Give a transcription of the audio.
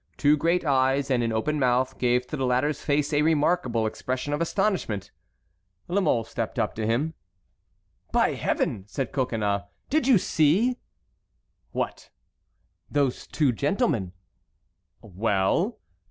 Two great eyes and an open mouth gave to the latter's face a remarkable expression of astonishment. La Mole stepped up to him. "By Heaven!" said Coconnas, "did you see?" "What?" "Those two gentlemen." "Well?"